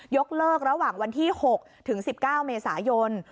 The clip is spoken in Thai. ยกเลิกระหว่างวันที่๖ถึง๑๙เมษายน